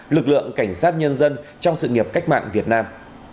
lực lượng cảnh sát nhân dân trong sự nghiệp cách mạng việt nam